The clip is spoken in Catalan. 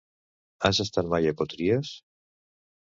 Has estat mai a Potries?